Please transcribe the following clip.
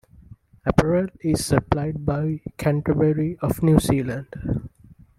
Apparel is supplied by Canterbury of New Zealand.